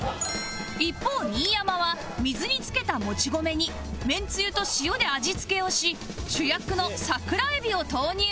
一方新山は水につけたもち米にめんつゆと塩で味付けをし主役の桜エビを投入